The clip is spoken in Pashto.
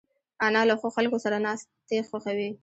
انا له ښو خلکو سره ناستې خوښوي